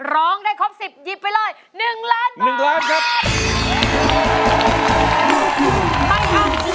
ร้องได้ครอบ๑๐ยิบไปเลย๑ล้านบาท